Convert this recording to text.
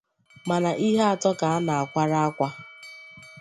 Mana ihe atọ ka a na-akwara akwa